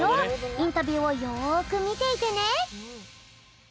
インタビューをよくみていてね！